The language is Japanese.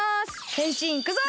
へんしんいくぞ！